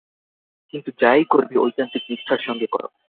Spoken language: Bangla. কিন্তু যা-ই করবে, ঐকান্তিক নিষ্ঠার সঙ্গে কর।